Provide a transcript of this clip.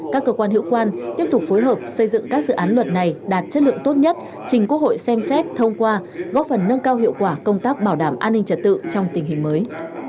các cơ quan hiệu quan tiếp tục phối hợp xây dựng các dự án luật này đạt chất lượng tốt nhất trình quốc hội xem xét thông qua góp phần nâng cao hiệu quả công tác bảo đảm an ninh trật tự trong tình hình mới